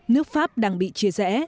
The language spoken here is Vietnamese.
nước pháp đang bị chia rẽ